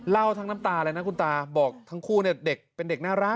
ทั้งน้ำตาเลยนะคุณตาบอกทั้งคู่เนี่ยเด็กเป็นเด็กน่ารัก